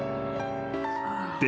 で